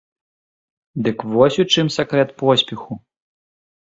Дык вось у чым сакрэт поспеху!